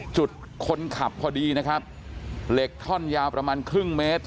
จุดคนขับพอดีนะครับเหล็กท่อนยาวประมาณครึ่งเมตร